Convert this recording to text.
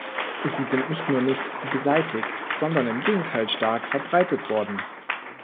Sie sind nicht nur nicht beseitigt, sondern im Gegenteil stark verbreitet worden.